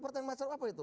pertanyaan macam apa itu